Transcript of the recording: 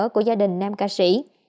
của gia đình nam ca sĩ